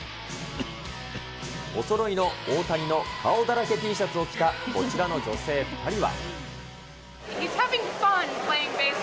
おそろいの大谷の顔だらけＴシャツを着たこちらの女性２人は。